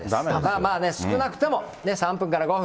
まあね、少なくとも３分から５分。